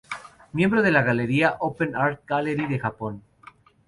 Miembro de la galería open-art Gallery de Japón.